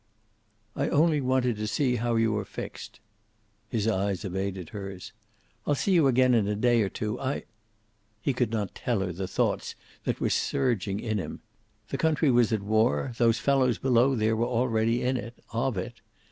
"I only wanted to see how you are fixed." His eyes evaded hers. "I'll see you again in a day or two. I " He could not tell her the thoughts that were surging in him. The country was at war. Those fellows below there were already in it, of it.